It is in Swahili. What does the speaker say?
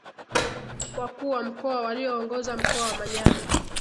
Wakuu wa Mkoa walioongoza Mkoa wa Manyara